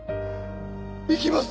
行きます。